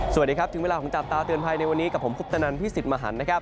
สวัสดีครับถึงเวลาของจับตาเตือนภัยในวันนี้กับผมคุปตนันพี่สิทธิ์มหันนะครับ